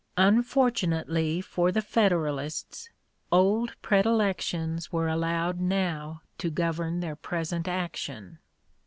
Unfortunately for the Federalists old predilections were allowed (p. 062) now to govern their present action.